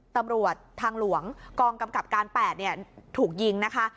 ตำรวจทางหลวงกองกำกับการ๘ถูกยิงนะคะ